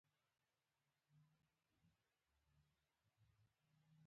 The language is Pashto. بیا د تنگي تر دوه لارې اوږده غزیدلې،